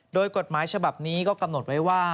โดยกฎหมายฉบับนี้ก็กำหนดไว้ว่า